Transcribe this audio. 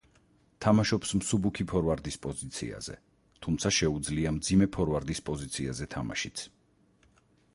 თამაშობს მსუბუქი ფორვარდის პოზიციაზე, თუმცა შეუძლია მძიმე ფორვარდის პოზიციაზე თამაშიც.